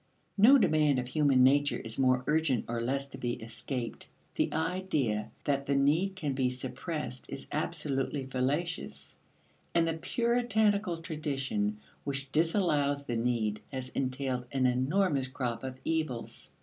No demand of human nature is more urgent or less to be escaped. The idea that the need can be suppressed is absolutely fallacious, and the Puritanic tradition which disallows the need has entailed an enormous crop of evils.